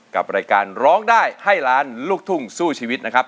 กับรายการร้องได้ให้ล้านลูกทุ่งสู้ชีวิตนะครับ